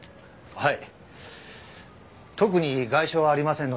はい。